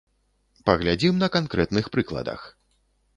Паглядзім на канкрэтных прыкладах.